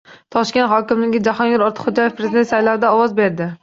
Toshkent hokimi Jahongir Ortiqxo‘jayev prezident saylovida ovoz berdi